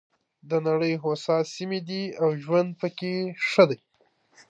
د نړۍ هوسا سیمې دي او ژوند پکې ښه دی.